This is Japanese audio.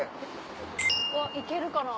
うわ行けるかな？